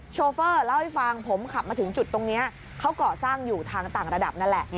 โชเฟอร์เล่าให้ฟังผมขับมาถึงจุดตรงนี้เขาก่อสร้างอยู่ทางต่างระดับนั่นแหละ